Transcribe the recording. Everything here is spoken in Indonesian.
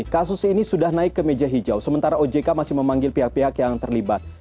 kasus ini sudah naik ke meja hijau sementara ojk masih memanggil pihak pihak yang terlibat